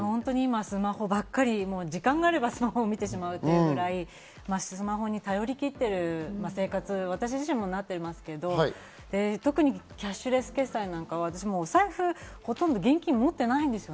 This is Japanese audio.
本当に時間があれば、スマホを見てしまうぐらいスマホに頼りきっている生活、私自身もそうなってますけど、特にキャッシュレス決済なんかは、私もお財布、ほとんど現金を持ってないんです。